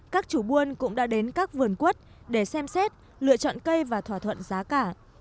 các chủ buôn cũng đã đến các vườn quất để xem xét lựa chọn cây và thỏa thuận giá cả